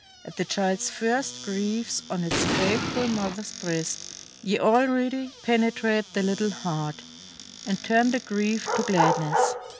At the child's first griefs on its faithful mother's breast, ye already penetrate the little heart, and turn the grief to gladness.